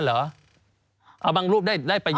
สนุนโดยหวานได้ทุกที่ที่มีพาเลส